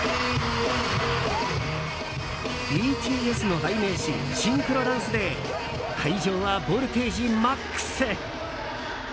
ＢＴＳの代名詞シンクロダンスで会場はボルテージマックス。